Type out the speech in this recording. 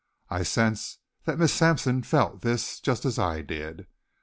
I sensed that Miss Sampson felt this just as I did.